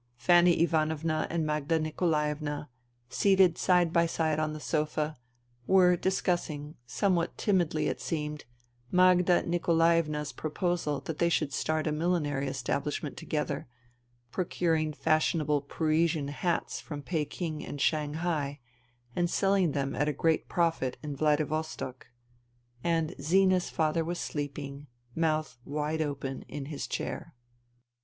Fanny Ivanovna and Magda Nikolaevna, seated side by side on the sofa, were discussing, somewhat timidly it seemed, Magda Nikolaevna' s proposal that they should start a millinery establishment together, procuring fashion able " Parisian " hats from Peking and Shanghai and selling them at great profit in Vladivostok ; and Zina's father was sleeping, mouth wide open, in his chair.